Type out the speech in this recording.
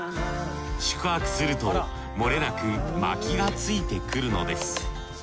宿泊するともれなく薪がついてくるのです。